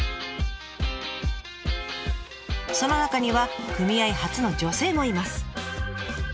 その中には組合初の女性もいます。